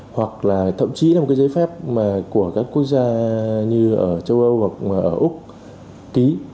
hoặc là thậm chí là một cái giấy phép mà của các quốc gia như ở châu âu hoặc ở úc ký